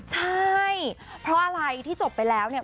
ใช่เพราะอะไรที่จบไปแล้วเนี่ย